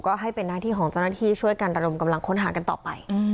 ก็ให้เป็นหน้าที่ของเจ้าหน้าที่ช่วยกันระดมกำลังค้นหากันต่อไป